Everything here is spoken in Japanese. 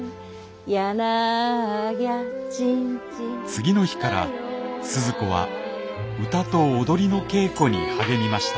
次の日から鈴子は歌と踊りの稽古に励みました。